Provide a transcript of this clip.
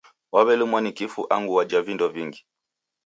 Waw'elumwa ni kifu angu wajha vindo vingi.